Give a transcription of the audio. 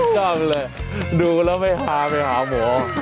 ก็เลยดูแล้วไม่พาไปหาหมอ